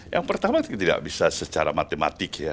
yang pertama tidak bisa secara matematik ya